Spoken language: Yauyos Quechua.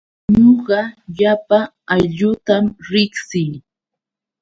Ñuqa llapa aylluutam riqsii.